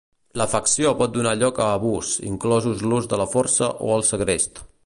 L'afecció pot donar lloc a abús, inclosos l'ús de la força o el segrest.